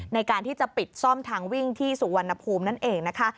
ในการที่จะปิดซ่อมทางวิ่งที่สุวรรณภูมินั่นเองนะคะ